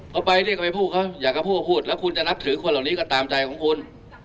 เขาไปเรียกก็ไปพูดเขาอยากจะพูดก็พูดแล้วคุณจะนับถือคนเหล่านี้ก็ตามใจของคุณ